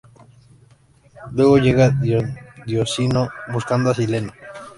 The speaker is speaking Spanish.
Luego llega Dioniso, buscando a Sileno.